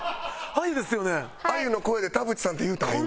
あゆの声で「田渕さん」って言うたな今。